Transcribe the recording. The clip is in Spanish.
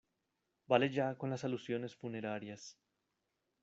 vale ya con las alusiones funerarias.